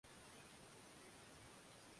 Wakati wa miaka maka kiumi na saba Ronaldo alikuwa